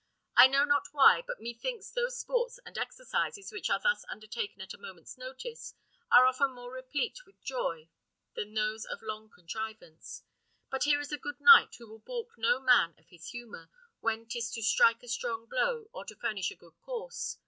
I know not why, but me thinks those sports and exercises, which are thus undertaken at a moment's notice, are often more replete with joy than those of long contrivance; and here is a good knight, who will balk no man of his humour, when 'tis to strike a strong blow, or to furnish a good course.